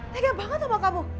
tegak banget sama kamu